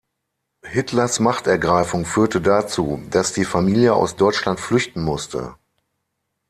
Hitlers Machtergreifung führte dazu, dass die Familie aus Deutschland flüchten musste.